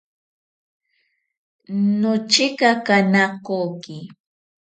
Nochekaka nakoki.